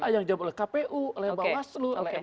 yang dijawab oleh kpu oleh bawaslu